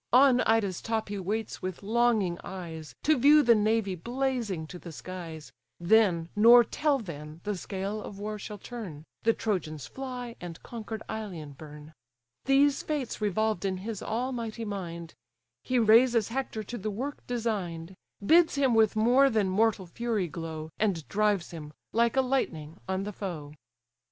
On Ida's top he waits with longing eyes, To view the navy blazing to the skies; Then, nor till then, the scale of war shall turn, The Trojans fly, and conquer'd Ilion burn. These fates revolved in his almighty mind, He raises Hector to the work design'd, Bids him with more than mortal fury glow, And drives him, like a lightning, on the foe.